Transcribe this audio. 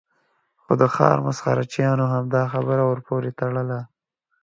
خو د ښار مسخره چیانو همدا خبره ور پورې تړله.